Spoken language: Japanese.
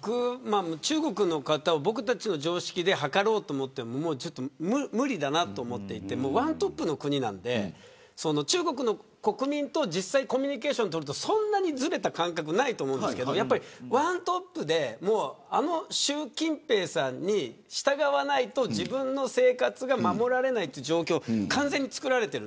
中国の方を僕たちの常識で測ろうと思っても無理だと思っていて１トップの国なんで、中国国民とコミュニケーションを取るとそんなにずれた感覚はないと思うんですが１トップで、あの習近平さんに従わないと自分の生活が守られないという状況を完全につくられている。